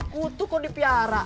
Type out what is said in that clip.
kutu kok dipiara